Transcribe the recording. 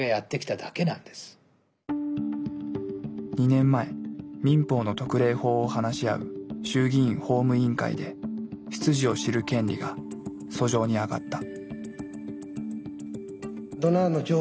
２年前民法の特例法を話し合う衆議院法務委員会で「出自を知る権利」が俎上にあがった。